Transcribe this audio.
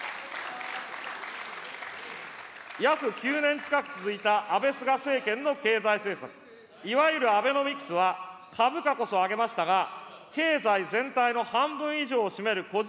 約９年近く続いた安倍・菅政権の経済政策、いわゆるアベノミクスは、株価こそ上げましたが、経済全体の半分以上を占める個人